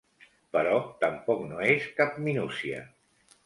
Però tampoc no és cap minúcia.